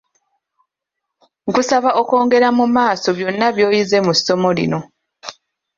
Nkusaba okwongera mu maaso byonna by'oyize mu ssomo lino.